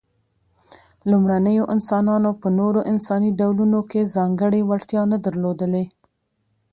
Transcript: لومړنيو انسانانو په نورو انساني ډولونو کې ځانګړې وړتیا نه درلودلې.